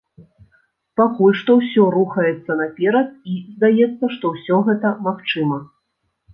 Пакуль што ўсё рухаецца наперад і, здаецца, што ўсё гэта магчыма.